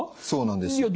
そうなんです。